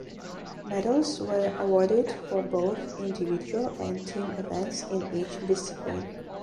Medals were awarded for both individual and team events in each discipline.